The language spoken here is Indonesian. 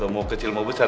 mau kecil mau besar